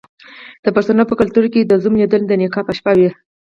د پښتنو په کلتور کې د زوم لیدل د نکاح په شپه وي.